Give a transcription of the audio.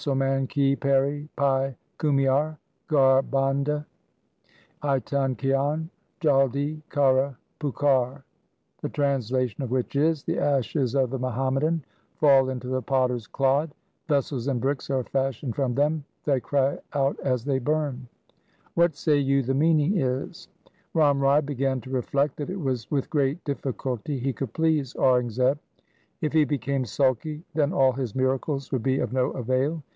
LIFE OF GURU HAR RAI 309 Mitti Musalman ki pere pai kumiar ; Ghar bhande itan kian, jaldi kare pukar, 1 the translation of which is :— The ashes of the Muhammadan fall into the potter's clod ; Vessels and bricks are fashioned from them ; they cry out as they burn. ' What say you the meaning is ?' RamRai began to reflect that it was with great diffi culty he could please Aurangzeb. If he became sulky, then all his miracles would be of no avail.